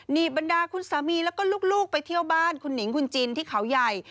บรรดาคุณสามีแล้วก็ลูกไปเที่ยวบ้านคุณหนิงคุณจินที่เขาใหญ่